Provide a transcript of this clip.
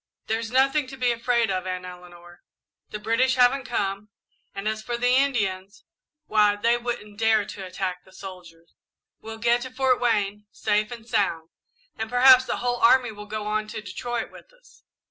"There's nothing to be afraid of, Aunt Eleanor. The British haven't come, and as for the Indians, why, they wouldn't dare to attack the soldiers. We'll get to Fort Wayne, safe and sound, and perhaps the whole army will go on to Detroit with us.